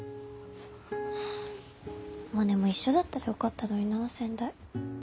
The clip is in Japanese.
モネも一緒だったらよかったのになぁ仙台。